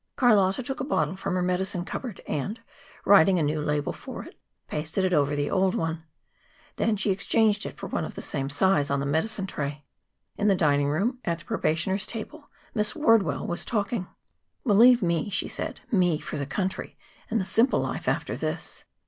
Carlotta took a bottle from her medicine cupboard, and, writing a new label for it, pasted it over the old one. Then she exchanged it for one of the same size on the medicine tray. In the dining room, at the probationers' table, Miss Wardwell was talking. "Believe me," she said, "me for the country and the simple life after this.